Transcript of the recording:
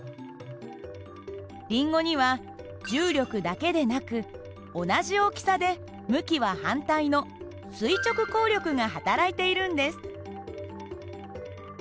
りんごには重力だけなく同じ大きさで向きは反対の垂直抗力がはたらいているんです。